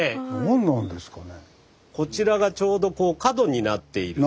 こちらがちょうどこう角になっている。